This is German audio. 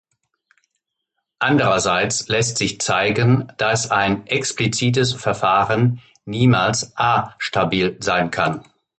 Andererseits lässt sich zeigen, dass ein explizites Verfahren niemals A-stabil sein kann.